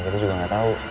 kita juga gak tau